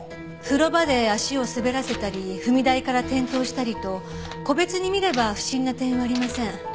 風呂場で足を滑らせたり踏み台から転倒したりと個別に見れば不審な点はありません。